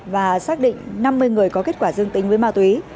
và xác định năm mươi người có kết quả dương tính với ma túy